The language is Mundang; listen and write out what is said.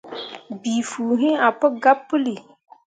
Bii fuu iŋ ah pu gabe puli.